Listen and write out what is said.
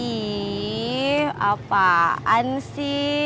ih apaan sih